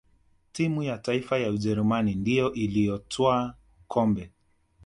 timu ya taifa ya ujerumani ndiyo iliyotwaa kombe